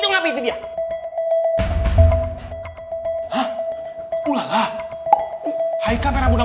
oh anjir kalau saya karena wajah